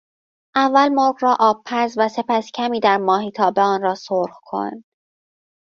اول مرغ را آبپز و سپس کمی در ماهیتابه آن را سرخ کن.